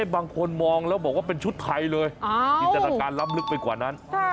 บางคนมองแล้วบอกว่าเป็นชุดไทยเลยจินตนาการล้ำลึกไปกว่านั้น